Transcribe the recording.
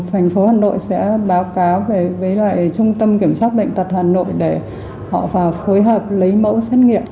thành phố hà nội sẽ báo cáo với lại trung tâm kiểm tra bệnh tật hà nội để họ phải phối hợp lấy mẫu xét nghiệm